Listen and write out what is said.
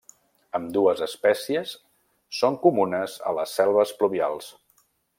Ambdues espècies són comunes a les selves pluvials.